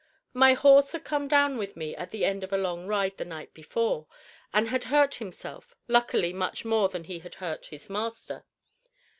My horse had come down with me at the end of a long ride the night before, and had hurt himself, luckily, much more than he had hurt his master.